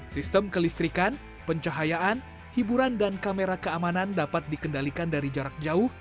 sistem kelistrikan pencahayaan hiburan dan kamera keamanan dapat dikendalikan dari jarak jauh